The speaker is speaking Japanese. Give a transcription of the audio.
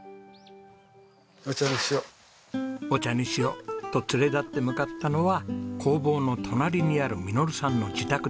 「お茶にしよう」と連れ立って向かったのは工房の隣にある實さんの自宅です。